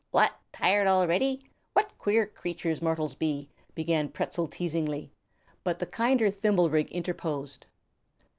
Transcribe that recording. "What! Tired already? What queer creatures mortals be!" began Pertzal teasingly; but the kinder Thimblerig interposed.